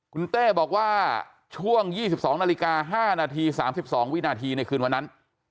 คุณเต้บอกว่าช่วง๒๒นาฬิกา๕นาที๓๒วินาทีในคืนวันนั้น